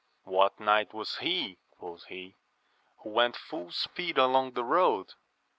What knight was he, quoth he, who went full speed along the road